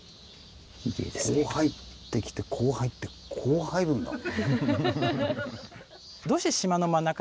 こう入ってきてこう入ってこう入るんだ。